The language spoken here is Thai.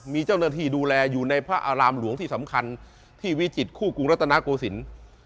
มีเจ้าหน้าที่ดูแลอยู่ในพระอารามหลวงที่สำคัญที่วิจิตคู่กรุงรัฐนาโกศิลป์